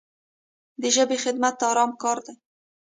د ژبې خدمت ارام کار دی.